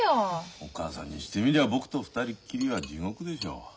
お母さんにしてみりゃ僕と２人っきりは地獄でしょ。